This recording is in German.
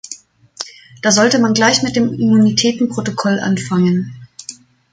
Da sollte man gleich mit dem Immunitätenprotokoll anfangen.